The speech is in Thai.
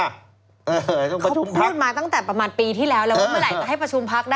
เขาถูกพูดมาตั้งแต่ประมาณปีที่แล้วแล้วว่าเมื่อไหร่จะให้ประชุมพักได้